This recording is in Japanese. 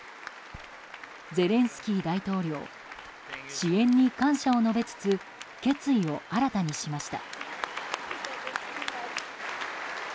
ゼレンスキー大統領支援に感謝を述べつつ決意を新たにしました。